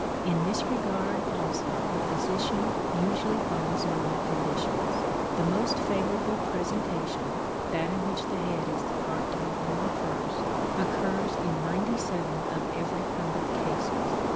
In this regard, also, the physician usually finds normal conditions. The most favorable presentation, that in which the head is the part to be born first, occurs in ninety seven of every hundred cases.